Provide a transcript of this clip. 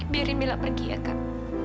biarin mila pergi ya kak